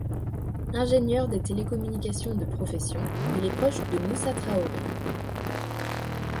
Ingénieur des télécommunications de profession, il est proche de Moussa Traoré.